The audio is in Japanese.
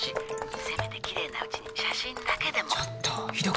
せめてきれいなうちに写真だけでもちょっとひどくない？